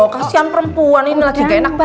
kasian perempuan ini lagi nggak enak badan